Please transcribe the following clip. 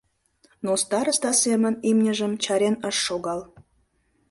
Но староста семын имньыжым чарен ыш шогал.